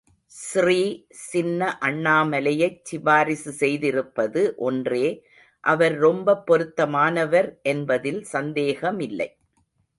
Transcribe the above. ஸ்ரீ சின்ன அண்ணாமலையைச் சிபாரிசு செய்திருப்பது ஒன்றே அவர் ரொம்பப் பொருத்தமானவர் என்பதில் சந்தேகமில்லை.